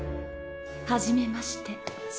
初めまして。